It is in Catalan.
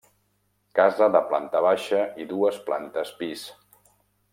Casa de planta baixa i dues plantes pis.